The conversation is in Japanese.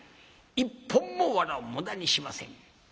一本も藁を無駄にしません。